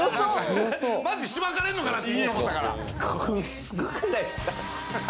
まじしばかれんのかなと思ったから。